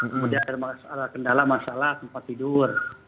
kemudian kendala masalah tempat tidur